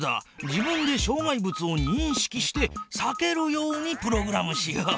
自分でしょう害物をにんしきしてさけるようにプログラムしよう。